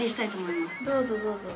どうぞどうぞ。